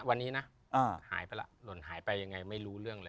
วันนี้ไม่รู้ว่ากับยังไหว